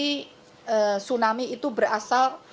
tsunami itu berasal